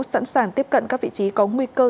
sẵn sàng tiếp cận các vị trí có nguy cơ